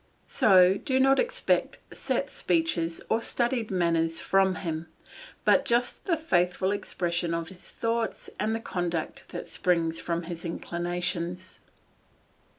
So do not expect set speeches or studied manners from him, but just the faithful expression of his thoughts and the conduct that springs from his inclinations.